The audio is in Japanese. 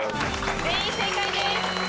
全員正解です！